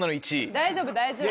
大丈夫大丈夫。